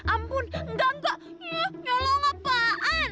ampun enggak enggak nyaloh kapain